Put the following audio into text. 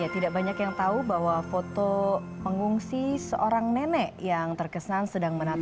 tidak banyak yang tahu bahwa foto pengungsi seorang nenek yang terkesan sedang menata